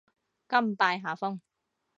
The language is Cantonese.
甘拜下風